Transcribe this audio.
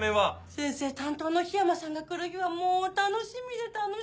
先生担当の緋山さんが来る日はもう楽しみで楽しみで。